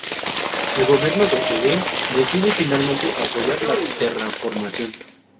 El gobierno de Eden decide finalmente apoyar la terraformación.